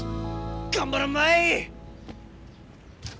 頑張らんまい！